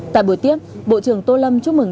tại buổi tiếp bộ trưởng tô lâm chúc mừng